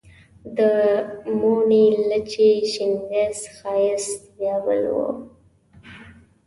د موڼي، لچي، شینګس ښایست بیا بل و